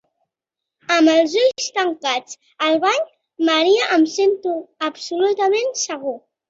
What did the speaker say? Amb els ulls tancats al bany maria em sento absolutament segur.